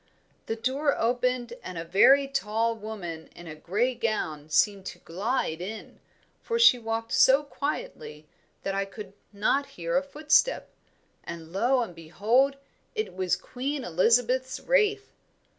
"The door opened, and a very tall woman in a grey gown seemed to glide in, for she walked so quietly that I could not hear a footstep; and lo and behold, it was Queen Elizabeth's Wraith."